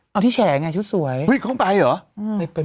เอ่อที่แฉลงเนี่ยชุดสวยเฮ้ยเค้าคงไปเหรออืมเป็น